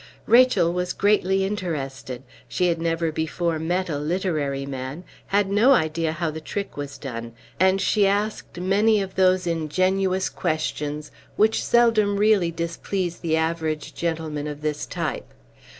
Rachel was greatly interested. She had never before met a literary man; had no idea how the trick was done; and she asked many of those ingenuous questions which seldom really displease the average gentleman of this type.